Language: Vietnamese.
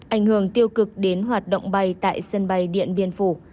ảnh hưởng tiêu cực đến hoạt động bay tại sân bay điện biên phủ